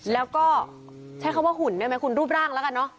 แล้วก็ใช้คำว่าหุ่นได้ไหมคุณรูปร่างแล้วกันเนอะ